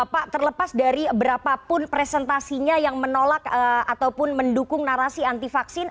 pak terlepas dari berapapun presentasinya yang menolak ataupun mendukung narasi anti vaksin